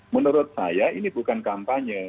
menurut saya ini bukan kampanye